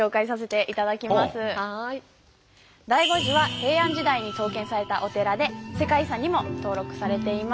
醍醐寺は平安時代に創建されたお寺で世界遺産にも登録されています。